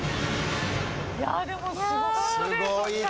いやでもすごかったです